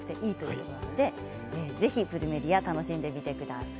ぜひプルメリア楽しんでみてください。